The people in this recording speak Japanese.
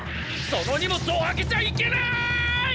その荷物を開けちゃいけない！